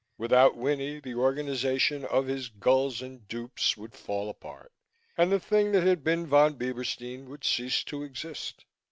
Without Winnie the organization of his gulls and dupes would fall apart and the thing that had been Von Bieberstein would cease to exist.